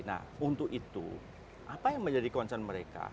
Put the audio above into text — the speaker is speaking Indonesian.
nah untuk itu apa yang menjadi concern mereka